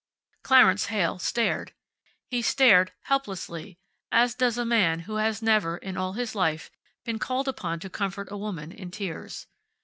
Clarence Heyl stared. He stared, helplessly, as does a man who has never, in all his life, been called upon to comfort a woman in tears.